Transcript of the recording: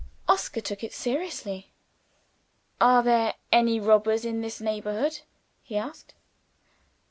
Oscar took it seriously. "Are there any robbers in this neighborhood?" he asked.